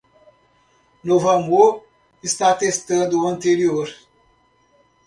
Novo amor está testando o anterior.